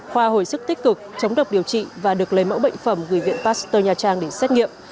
khoa hồi sức tích cực chống độc điều trị và được lấy mẫu bệnh phẩm gửi viện pasteur nha trang để xét nghiệm